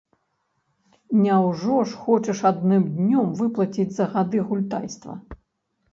Няўжо ж хочаш адным днём выплаціць за гады гультайства?